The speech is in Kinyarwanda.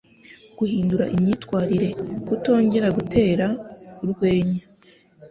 Guhindura imyitwarire, kutongera gutera urwenya,